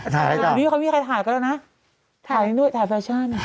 ถ่ายอะไรต่อวิทย์ถ่ายนี่ด้วยถ่ายแฟชั่น